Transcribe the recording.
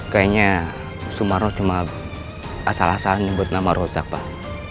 kayaknya sumarno cuma asal asalan nyebut nama rozak pak